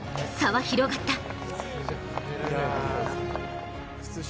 差は広がった。